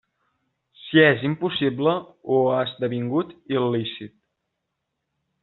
Si és impossible o ha esdevingut il·lícit.